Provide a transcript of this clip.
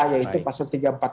yaitu pasal tiga ratus empat puluh